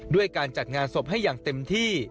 ด้วยการจัดงานศพให้อย่างเต็มที่